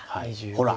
ほら。